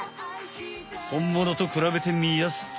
ほんものと比べてみやすと。